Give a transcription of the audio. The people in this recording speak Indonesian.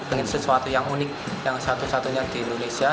ingin sesuatu yang unik yang satu satunya di indonesia